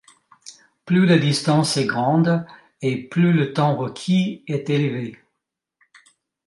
Plus la distance est grande, et plus le temps requis est élevé.